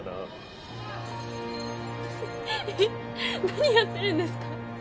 何やってるんですか？